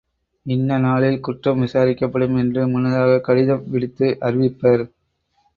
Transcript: இன்ன நாளில் குற்றம் விசாரிக்கப்படும் என்று முன்னதாகக் கடிதம் விடுத்து அறிவிப்பர்.